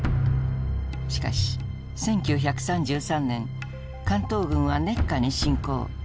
しかし１９３３年関東軍は熱河に侵攻。